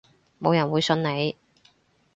冇人會信你